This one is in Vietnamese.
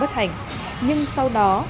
bất hành nhưng sau đó